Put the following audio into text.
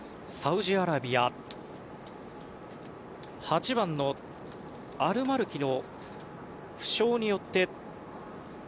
サウジアラビア８番のアルマルキが負傷によって。